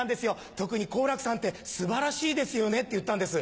特に好楽さんって素晴らしいですよね」って言ったんです